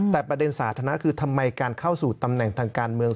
แต่ประเด็นสาธารณะคือทำไมการเข้าสู่ตำแหน่งทางการเมือง